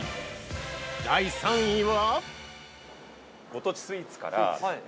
第３位は？